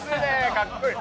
かっこいい。